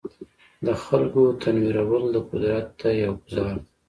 د خلکو تنویرول د قدرت ته یو ګوزار دی.